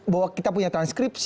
bahwa kita punya transkrip